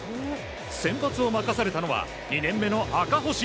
先発を任されたのは２年目の赤星。